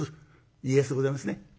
家康でございますね。